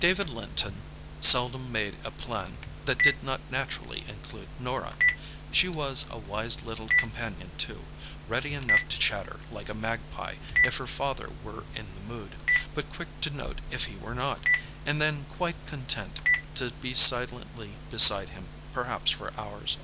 David Linton seldom made a plan that did not naturally include Norah. She was a wise little companion, too; ready enough to chatter like a magpie if her father were in the mood, but quick to note if he were not, and then quite content to be silently beside him, perhaps for hours.